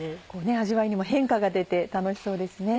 味わいにも変化が出て楽しそうですね。